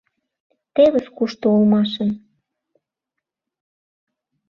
Тевыс кушто улмашын.